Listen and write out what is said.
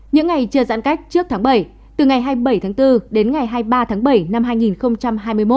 những ngày chưa giãn cách trước tháng bảy từ ngày hai mươi bảy tháng bốn đến ngày hai mươi ba tháng bảy năm hai nghìn hai mươi một